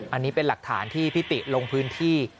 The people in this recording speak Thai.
อันนี้เป็นหลักฐานที่พิติลงพื้นที่